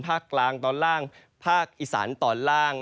ภาคกลางตอนล่างภาคอีสานตอนล่าง